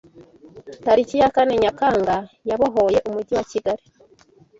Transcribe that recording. Tariki ya kane Nyakanga yabohoye Umujyi wa Kigali